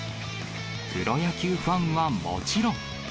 プロ野球ファンはもちろん。